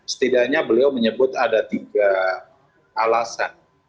setidaknya beliau menyebut ada tiga alasan